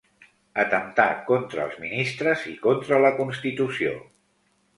Atemptar contra els ministres i contra la constitució.